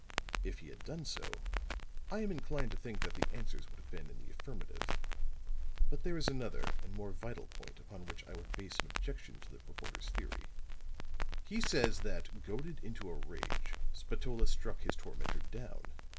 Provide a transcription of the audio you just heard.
If he had done so, I am inclined to think that the answers would have been in the affirmative. But there is another and more vital point upon which I would base an objection to the reporter's theory. He says that, goaded into a rage, Spatola struck his tormentor down.